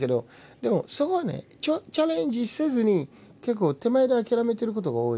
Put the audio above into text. でもそこはねチャレンジせずに結構手前で諦めてることが多い。